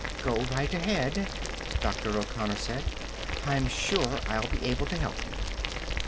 "Go right ahead," Dr. O'Connor said. "I'm sure I'll be able to help you."